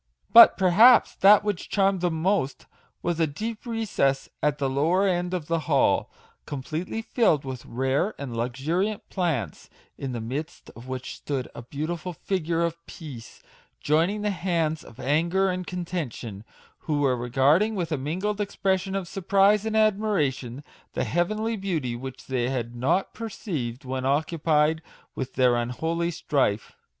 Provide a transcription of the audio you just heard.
But, perhaps, that which charmed them most was a deep recess at the lower end of the hall, completely filled with rare and luxuriant plants, in the midst of which stood a beautiful figure of Peace, joining the hands of Anger and Con tention, who were regarding with a mingled expression of surprise and admiration the hea venly beauty which they had not perceived when occupied with their unholy strife.